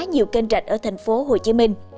nhiều kênh rạch ở thành phố hồ chí minh